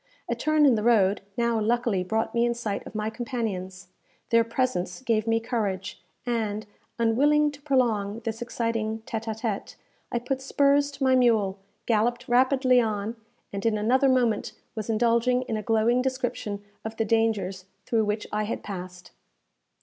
A turn in the road now luckily brought me in sight of my companions. Their presence gave me courage, and, unwilling to prolong this exciting téte à téte, I put spurs to my mule, galloped rapidly on, and in another moment was indulging in a glowing description of the dangers through which I had passed.